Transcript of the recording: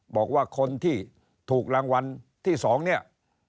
บอกว่าคนที่ถูกรางวัลที่๒เนี่ย